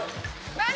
何？